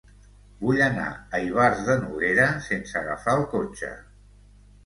Vull anar a Ivars de Noguera sense agafar el cotxe.